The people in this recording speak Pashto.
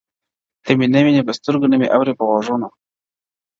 ته مي نه ویني په سترګو نه مي اورې په غوږونو٫